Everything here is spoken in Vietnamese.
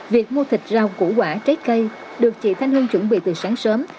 việc mua thịt rau củ quả trái cây được chị thanh hương chuẩn bị từ sáng sớm